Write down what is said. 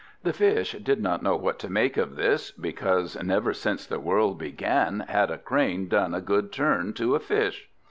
The Fish did not know what to make of this, because never since the world began had a crane done a good turn to a fish.